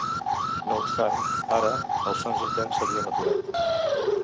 No obstant, ara, els sons interns s'havien aturat.